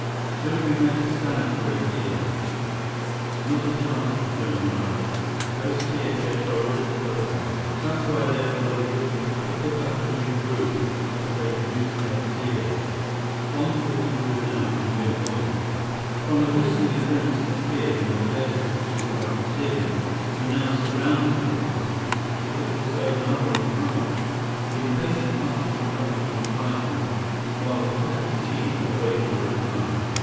Should we make a stand for it here?" "Not a chance," returned Nara. "Those spear tips are already poisoned. That's why they're boiling water, to cook up a new brew after they've used their spears. One false move now, and we're goners." From the bristling appearance of the spears and the glares of the two dozen spearmen who now surrounded the party, it looked as though Nara was right. Impatient mutters were coming from the tribesmen while the feathered chief awaited a reply.